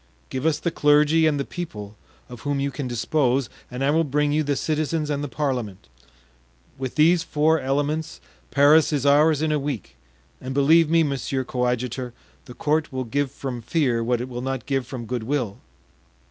Give us the clergy and the people, of whom you can dispose, and I will bring you the citizens and the parliament; with these four elements Paris is ours in a week; and believe me, monsieur coadjutor, the court will give from fear what it will not give from good will."